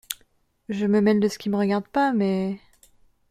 Je me mêle de ce qui me regarde pas, mais…